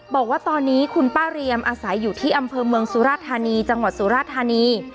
บอกว่าตอนนี้คุณป้าเรียมอาศัยอยู่ที่อำเภอเมืองสุราธานีจังหวัดสุราธานี